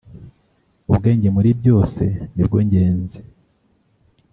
“Ubwenge muri byose ni bwo ngenzi